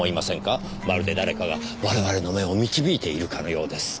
まるで誰かが我々の目を導いているかのようです。